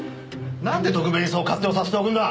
なんで特命にそう勝手をさせておくんだ！